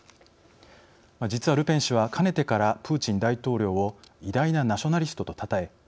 実はルペン氏はかねてからプーチン大統領を偉大なナショナリストとたたえ